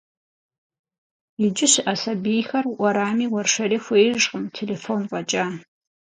Иджы щыӏэ сабийхэр уэрами уэршэри хуеижкъым, телефон фӏэкӏа.